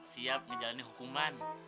siap ngejalani hukuman